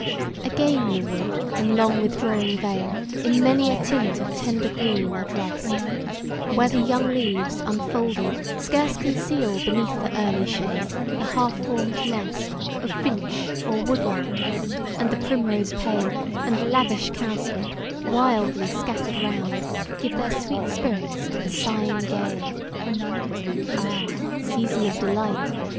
AGAIN the wood and long withdrawing vale In many a tint of tender green are drest, Where the young leaves, unfolding, scarce conceal Beneath their early shade, the half form'd nest Of finch or woodlark; and the primrose pale, And lavish cowslip, wildly scatter'd round, Give their sweet spirits to the sighing gale. Ah! season of delight!